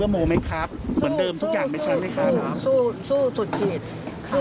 เราก็บอกว่าเรารักผู้หญิงคนเดียวกัน